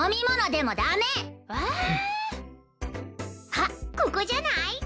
あっここじゃない？